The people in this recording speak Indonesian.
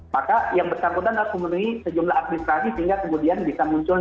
maka yang bersangkutan harus memenuhi sejumlah administrasi sehingga kemudian bisa muncul